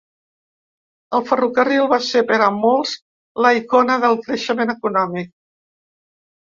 El ferrocarril va ser per a molts la icona del creixement econòmic.